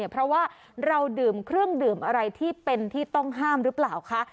เพราะว่าเราดื่มเครื่องดื่มอะไรที่เป็นที่ต้องห้ามหรือเปล่าคะ